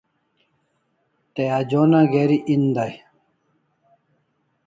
Te anjona geri en day